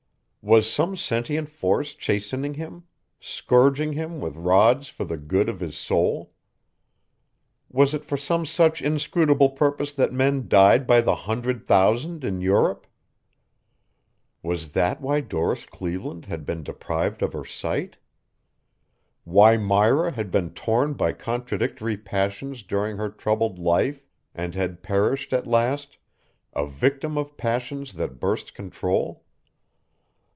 Was some sentient force chastening him, scourging him with rods for the good of his soul? Was it for some such inscrutable purpose that men died by the hundred thousand in Europe? Was that why Doris Cleveland had been deprived of her sight? Why Myra had been torn by contradictory passions during her troubled life and had perished at last, a victim of passions that burst control?